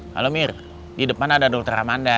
halo mir di depan ada dokter amanda